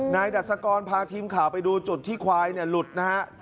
นายดัชกรพาทีมข่าวไปดูจุดที่ควายหลุดนะฮะ